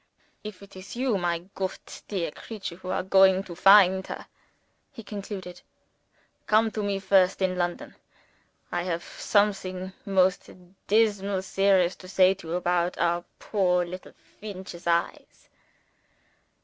"If it is you, my goot dear, who are going to find her," he concluded, "come to me first in London. I have something most dismal serious to say to you about our poor little Feench's eyes."